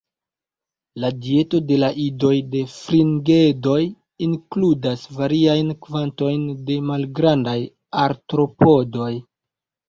La dieto de la idoj de Fringedoj inkludas variajn kvantojn de malgrandaj artropodoj.